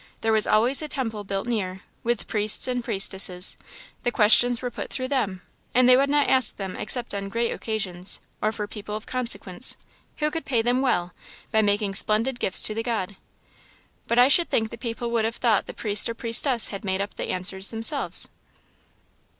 There was always a temple built near, with priests and priestesses; the questions were put through them; and they would not ask them except on great occasions, or for people of consequence, who could pay them well, by making splendid gifts to the god." "But I should think the people would have thought the priest or priestess had made up the answers themselves."